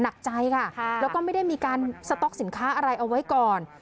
หนักใจค่ะแล้วก็ไม่ได้มีการสต๊อกสินค้าอะไรเอาไว้ก่อน